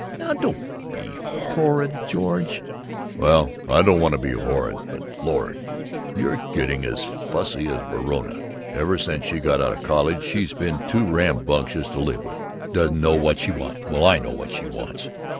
"Now don't be horrid, George." "Well, I don't want to be horrid, but Lord! you're getting as fussy as Verona. Ever since she got out of college she's been too rambunctious to live with doesn't know what she wants well, I know what she wants!